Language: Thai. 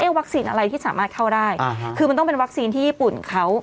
วัคซีนอะไรที่สามารถเข้าได้คือมันต้องเป็นวัคซีนที่ญี่ปุ่นเขา